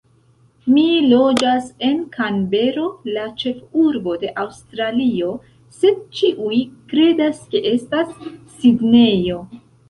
Mi loĝas en Kanbero, la ĉefurbo de Aŭstralio, sed ĉiuj kredas, ke estas Sidnejo!